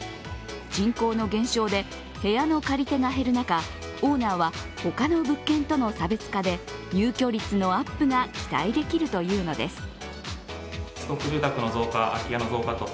人口の減少で部屋の借り手が減る中、オーナーはほかの物件との差別化で入居率のアップが期待できるというのです。